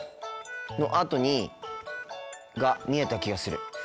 のあとにが見えた気がする。